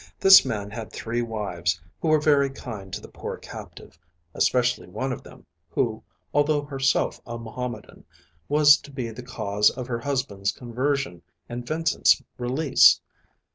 This man had three wives, who were very kind to the poor captive especially one of them, who, although herself a Mohammedan, was to be the cause of her husband's conversion and Vincent's release.